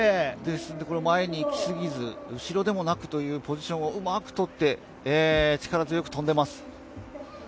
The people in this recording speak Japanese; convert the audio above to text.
これ、前に行きすぎず、後ろでもなくというポジションをうまくとって、力強く飛んでいます